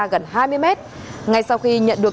gần hai mươi m ngay sau khi nhận được